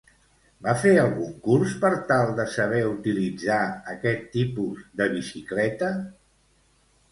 Va fer algun curs per tal de saber utilitzar aquest tipus de bicicleta?